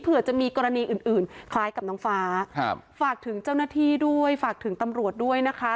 เผื่อจะมีกรณีอื่นอื่นคล้ายกับน้องฟ้าฝากถึงเจ้าหน้าที่ด้วยฝากถึงตำรวจด้วยนะคะ